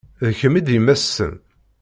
D kemm i d yemma-tsen?